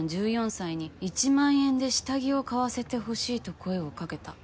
１４歳に１万円で下着を買わせてほしいと声をかけた。